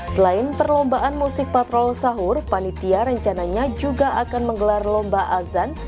selain perlombaan musik patrol sahur panitia rencananya juga akan menggelar lomba azan